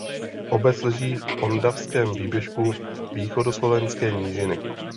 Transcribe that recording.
Obec leží v Ondavském výběžku Východoslovenské nížiny.